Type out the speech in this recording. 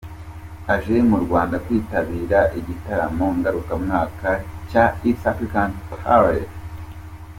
Aje mu Rwanda kwitabira igitaramo ngarukamwaka cya East African Party.